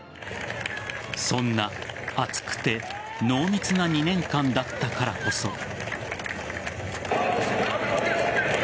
そんな、熱くて濃密な２年間だったからこそ。